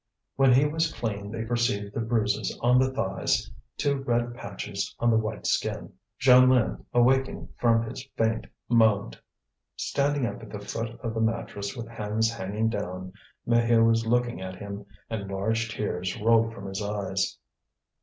When he was clean they perceived the bruises on the thighs, two red patches on the white skin. Jeanlin, awaking from his faint, moaned. Standing up at the foot of the mattress with hands hanging down, Maheu was looking at him and large tears rolled from his eyes.